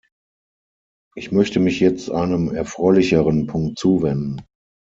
Ich möchte mich jetzt einem erfreulicheren Punkt zuwenden.